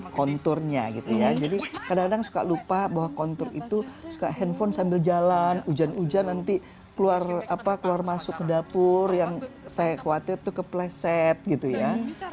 konturnya gitu ya jadi kadang kadang suka lupa bahwa kontur itu suka handphone sambil jalan hujan hujan nanti keluar masuk ke dapur yang saya khawatir tuh kepleset gitu ya